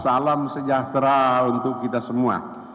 salam sejahtera untuk kita semua